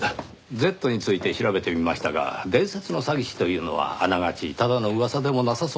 Ｚについて調べてみましたが伝説の詐欺師というのはあながちただの噂でもなさそうです。